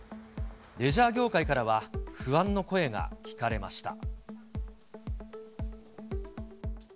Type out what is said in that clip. レジャー業界からは不安の声が聞かれました。